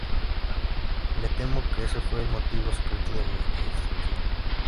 Me temo que ese fue el motivo secreto de mi intrusión".